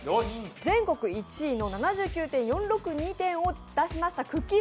全国１位の７９．４６２点を出したくっきー！